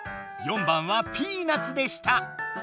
４番はピーナツでした。